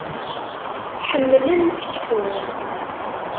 Ḥemmlen seksu.